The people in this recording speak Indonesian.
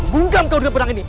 bungkam kau dengan perang ini